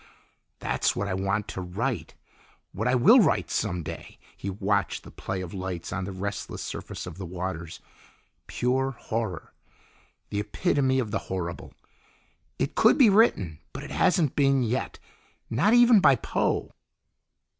"That's what I want to write what I will write some day." He watched the play of lights on the restless surface of the waters. "Pure horror, the epitome of the horrible. It could be written, but it hasn't been yet; not even by Poe."